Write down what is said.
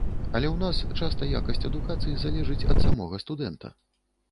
Але ў нас часта якасць адукацыі залежыць ад самога студэнта.